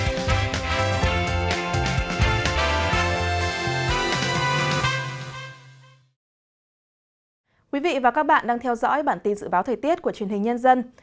thưa quý vị và các bạn đang theo dõi bản tin dự báo thời tiết của truyền hình nhân dân